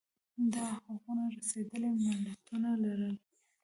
دا حقونه رسېدلي ملتونه لرل